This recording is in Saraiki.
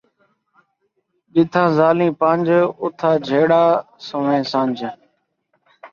جتھاں ذالیں پنج، اُتھاں جھیڑا سنویں سنج